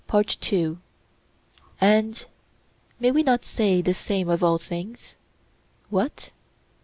Most true. And may we not say the same of all things? What?